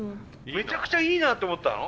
めちゃくちゃいいなと思ったの？